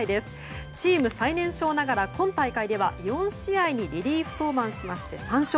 チーム最年少ながら今大会４試合にリリーフ登板し３勝。